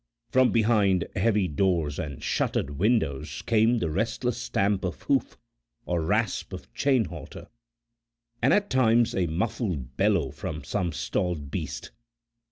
From behind heavy doors and shuttered windows came the restless stamp of hoof or rasp of chain halter, and at times a muffled bellow from some stalled beast.